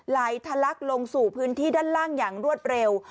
ไหลทะลักลงสู่พื้นที่ด้านล่างอย่างรวดเร็ว